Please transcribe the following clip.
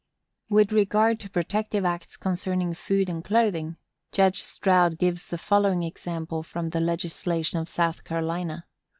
With regard to protective acts concerning food and clothing, Judge Stroud gives the following example from the legislation of South Carolina.